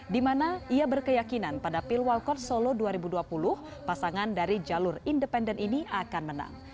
di mana ia berkeyakinan pada pilwalkot solo dua ribu dua puluh pasangan dari jalur independen ini akan menang